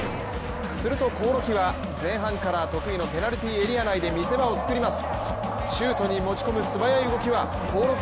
すると興梠は前半から得意のペナルティーエリア内で自陣でボールを奪った浦和。